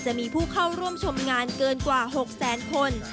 จะมีผู้เข้าร่วมชมงานเกินกว่า๖แสนคน